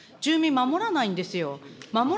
守らないんですよ。